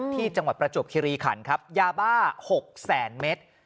จังหวัดประจวบคิริขันครับยาบ้า๖แสนเมตร